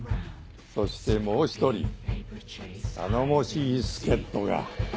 そしてもう一人頼もしい助っ人が！